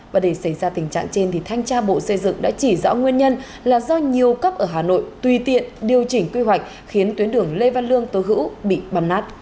và để xảy ra tình trạng trên thanh tra bộ xây dựng đã chỉ rõ nguyên nhân là do nhiều cấp ở hà nội tùy tiện điều chỉnh quy hoạch khiến tuyến đường lê văn lương tố hữu bị bầm nát